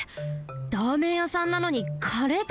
ラーメンやさんなのにカレーたのむの？